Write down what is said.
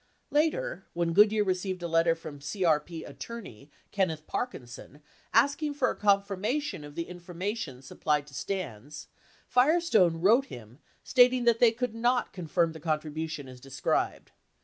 60 Later, when Goodyear received a letter from CRP attorney Kenneth Parkinson asking for a confirmation of the information supplied to Stans, Firestone wrote him stating that they could not confirm the contribution as described.